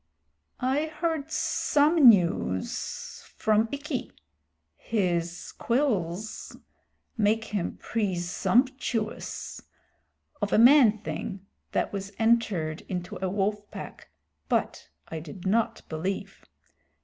"I heard some news from Ikki (his quills make him presumptuous) of a man thing that was entered into a wolf pack, but I did not believe.